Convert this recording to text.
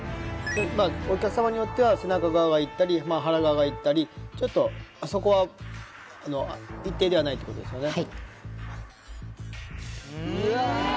というものもお客様によっては背中側がいったり腹側がいったりちょっとそこは一定ではないってことですよね